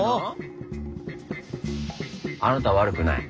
あなたは悪くない。